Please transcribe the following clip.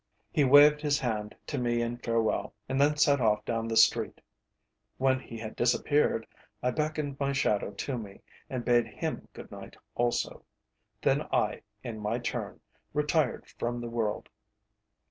He waved his hand to me in farewell, and then set off down the street. When he had disappeared, I beckoned my shadow to me, and bade him good night also. Then I, in my turn, retired from the world.